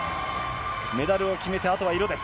メダルを決めたあとは色です。